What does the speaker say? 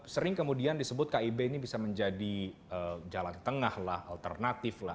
sering kemudian disebut kib ini bisa menjadi jalan tengah lah alternatif lah